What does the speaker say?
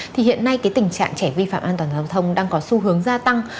thì hiện nay cái tình trạng trẻ vi phạm an toàn giao thông đang có xu hướng gia tăng